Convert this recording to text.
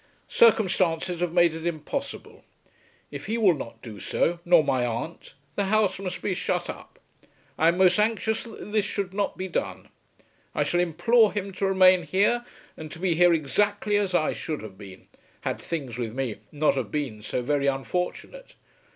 Circumstances have made it impossible. If he will not do so, nor my aunt, the house must be shut up. I am most anxious that this should not be done. I shall implore him to remain here, and to be here exactly as I should have been, had things with me not have been so very unfortunate.